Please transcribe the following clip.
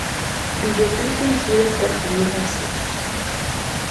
Videoclip dirigido por Javier García.